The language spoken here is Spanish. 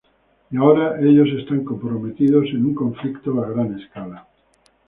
Y ahora ellos están comprometidos en un conflicto a gran escala.